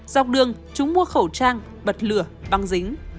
dọc đường chúng mua khẩu trang bật lửa băng dính